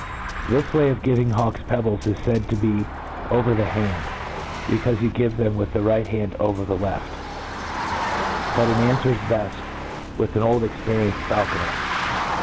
This way of giving hawks pebbles is laid to be over the hand, becaufe you give them with the right hand over the leftj but it aqfwers b^ft with an old experienced feulconer.